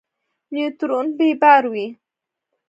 نیوترون بې بار وي.